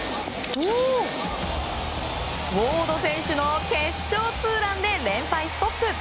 ウォード選手の決勝ツーランで連敗ストップ。